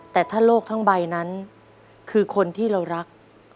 แต่ถ้าโลกทั้งใบนั้นคือคนที่เรารัก